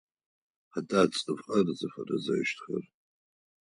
Хэта цӏыфхэр зыфэрэзэщтхэр?